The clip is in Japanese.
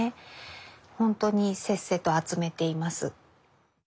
ほんとにせっせと集めています。